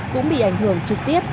cũng bị ảnh hưởng trực tiếp